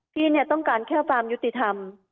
พี่เนี่ยต้องการแค่ความยุติธรรม